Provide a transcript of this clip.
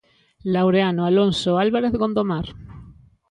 Laureano Alonso Álvarez Gondomar.